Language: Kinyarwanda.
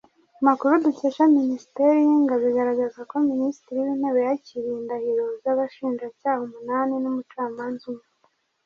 Amakuru dukesha Minisiteri y’Ingabo agaragaza ko Minisitri w’Intebe yakiriye indahiro z’abashinjacyaha umunani n’umucamanza umwe